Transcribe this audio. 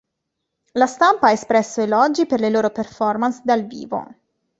La stampa ha espresso elogi per le loro performance dal vivo.